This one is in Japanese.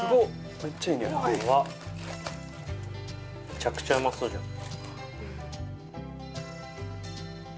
めちゃくちゃうまそうじゃん